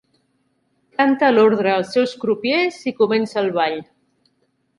Canta l'ordre als seus crupiers i comença el ball.